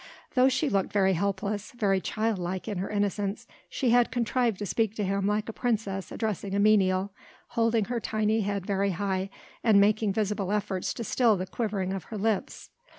Though she looked very helpless, very childlike in her innocence, she had contrived to speak to him like a princess addressing a menial, holding her tiny head very high and making visible efforts to still the quivering of her lips.